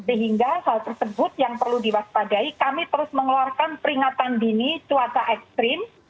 sehingga hal tersebut yang perlu diwaspadai kami terus mengeluarkan peringatan dini cuaca ekstrim